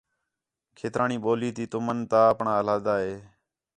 کھیترانی ٻولی تی تُمن دا اَپݨاں علیحدہ ہے